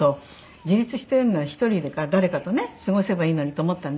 自立してるなら１人で誰かとね過ごせばいいのにと思ったんで。